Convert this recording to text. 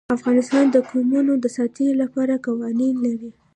افغانستان د قومونه د ساتنې لپاره قوانین لري.